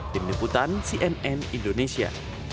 tim liputan cnn indonesia